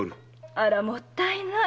あらもったいない。